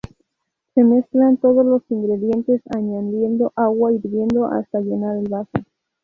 Se mezclan todos los ingredientes, añadiendo agua hirviendo hasta llenar el vaso.